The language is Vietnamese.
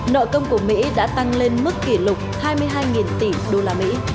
nội công của mỹ đã tăng lên mức kỷ lục hai mươi hai tỷ usd